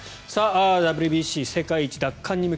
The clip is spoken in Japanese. ＷＢＣ世界一奪還に向け